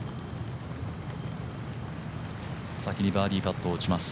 先にバーディーパットを打ちます。